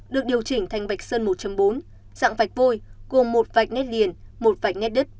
được điều chỉnh thành vạch sơn một bốn dạng vạch vôi cùng một vạch nét liền một vạch nét đất